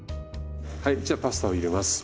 はいじゃパスタを入れます。